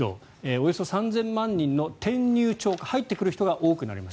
およそ３万８０００人の転入超過入ってくる人が多くなります。